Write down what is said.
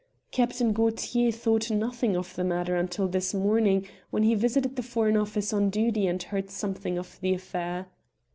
Captain Gaultier thought nothing of the matter until this morning, when he visited the Foreign Office on duty and heard something of the affair.